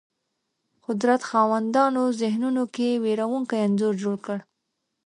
قدرت خاوندانو ذهنونو کې وېرونکی انځور جوړ کړ